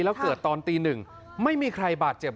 แล้วเกิดตอนตีหนึ่งไม่มีใครบาดเจ็บ